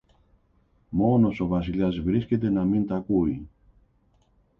Μόνος ο Βασιλιάς βρίσκεται να μην τ' ακούει